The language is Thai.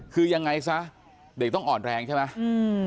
คือยังไงซะเด็กต้องอ่อนแรงใช่ไหม